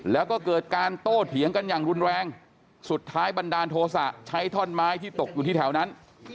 แล้วก็เกิดการโต้เถียงกันอย่างรุนแรงสุดท้ายบันดาลโทษะใช้ท่อนไม้ที่ตกอยู่ที่แถวนั้น